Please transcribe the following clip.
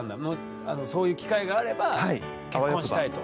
そういう機会があれば結婚したいと。